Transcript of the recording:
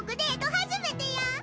初めてや。